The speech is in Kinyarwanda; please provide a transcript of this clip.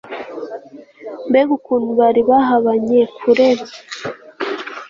Mbega ukuntu bari bahabanye kure